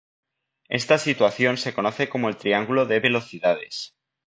Esta situación se conoce como el triángulo de velocidades.